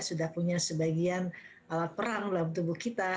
sudah punya sebagian alat perang dalam tubuh kita